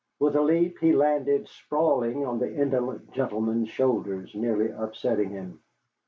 With a leap he landed sprawling on the indolent gentleman's shoulders, nearly upsetting him.